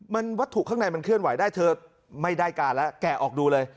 มันวัตถุข้างในมันเคลื่อนไหวได้เธอไม่ได้การแล้วแกะออกดูเลย